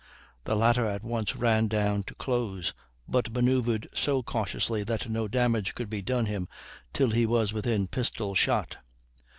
The latter at once ran down to close, but manoeuvred so cautiously that no damage could be done him till he was within pistol shot.